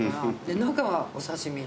で中はお刺し身。